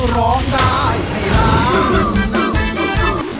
ร้องดายให้ร้าง